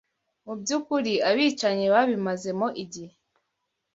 Mu by’ukuri abicanyi babimazemo igihe